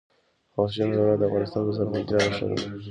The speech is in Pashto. وحشي حیوانات د افغانستان د زرغونتیا نښه ده.